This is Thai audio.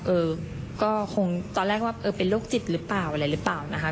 เออก็คงตอนแรกว่าเออเป็นโรคจิตหรือเปล่าอะไรหรือเปล่านะคะ